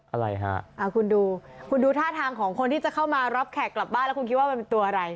อะไรฮะคุณดูคุณดูท่าทางของคนที่จะเข้ามารับแขกกลับบ้านแล้วคุณคิดว่ามันเป็นตัวอะไร